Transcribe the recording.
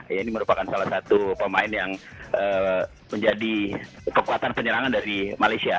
ya ini merupakan salah satu pemain yang menjadi kekuatan penyerangan dari malaysia